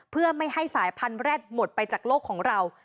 เพื่อไม่ให้สายพันธุแร็ดหมดไปจากโลกของเรา